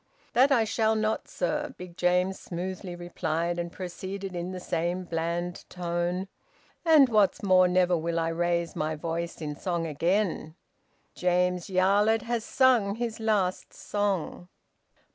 "That I shall not, sir," Big James smoothly replied, and proceeded in the same bland tone: "And what's more, never will I raise my voice in song again! James Yarlett has sung his last song."